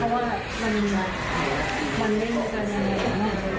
เพราะว่ามันเล่นกันแล้ว